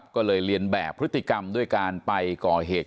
ก็เลยเรียนแบบพฤติกรรมด้วยการไปก่อเหตุ